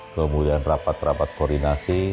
kemudian rapat rapat koordinasi